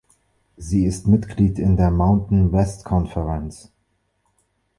Sie ist Mitglied in der "Mountain West Conference".